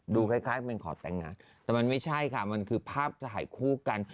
ดูคล้ายเป็นขอแต่งงานแต่มันไม่ใช่ค่ะมันคือภาพถ่ายคู่กัน